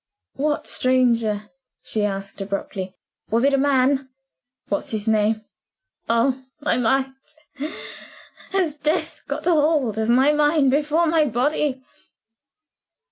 "What stranger?" she asked abruptly. "Was it a man? What name? Oh, my mind! Has death got hold of my mind before my body?"